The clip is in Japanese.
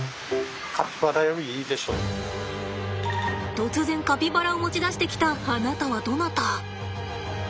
突然カピバラを持ち出してきたあなたはどなた？